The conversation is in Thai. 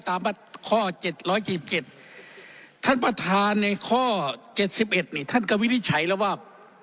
ข้อ๗๗ท่านประธานในข้อ๗๑นี่ท่านก็วินิจฉัยแล้วว่า